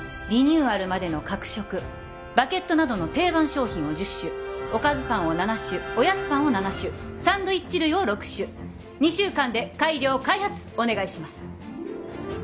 リニューアルまでの角食バゲットなどの定番商品を１０種おかずパンを７種おやつパンを７種サンドイッチ類を６種２週間で改良開発お願いします